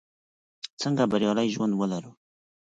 څنګه بریالی ژوند ولرو?